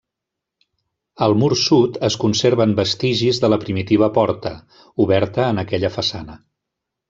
Al mur sud es conserven vestigis de la primitiva porta, oberta en aquella façana.